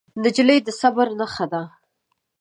نجلۍ د صبر نښه ده.